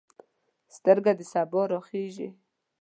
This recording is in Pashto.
سترګه د سبا راخیژې